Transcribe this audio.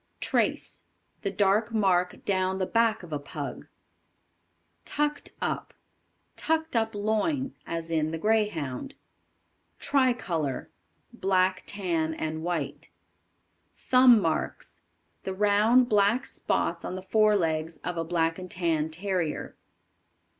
Trace. The dark mark down the back of a Pug. Tucked up. Tucked up loin, as in the Greyhound. Tricolor. Black, tan and white. Thumb Marks. The round, black spots on the forelegs of a Black and tan Terrier.